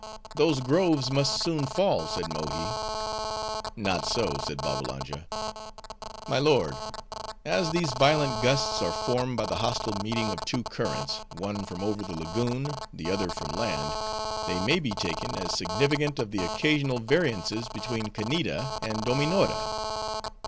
"Those groves must soon fall," said Mohi. "Not so," said Babbalanja. "My lord, as these violent gusts are formed by the hostile meeting of two currents, one from over the lagoon, the other from land; they may be taken as significant of the occasional variances between Kanneeda and Dominora."